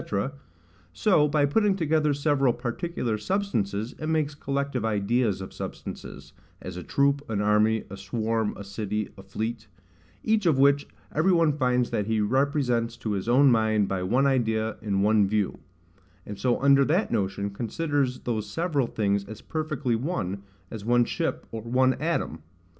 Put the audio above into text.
—so, by putting together several particular substances, it makes collective ideas of substances, as a troop, an army, a swarm, a city, a fleet; each of which every one finds that he represents to his own mind by one idea, in one view; and so under that notion considers those several things as perfectly one, as one ship, or one atom.